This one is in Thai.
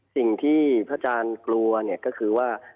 สิ่งที่พระอาจารย์กลัวเนี่ยก็คือว่า